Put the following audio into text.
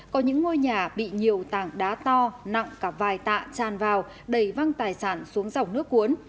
có những ngôi nhà bị nhiều tảng đá to nặng cả vài tạ tràn vào đầy văng tài sản xuống dòng nước cuốn